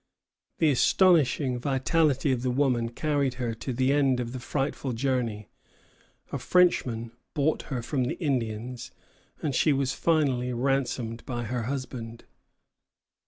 The astonishing vitality of the woman carried her to the end of the frightful journey. A Frenchman bought her from the Indians, and she was finally ransomed by her husband.